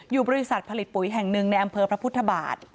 บริษัทผลิตปุ๋ยแห่งหนึ่งในอำเภอพระพุทธบาท